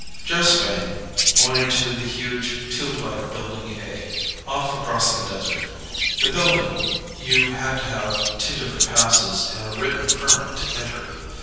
Joe Spain pointed to the huge, tubelike Building A, off across the desert; the building you had to have two different passes and a written permit to enter.